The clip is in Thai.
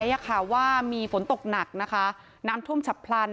ว่ามีฝนตกหนักนะคะน้ำท่วมฉับพลัน